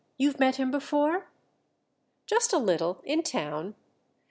"You've met him before?" "Just a little—in town.